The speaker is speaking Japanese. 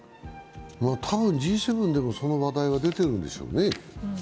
多分Ｇ７でも、その話題は出ているんでしょうね。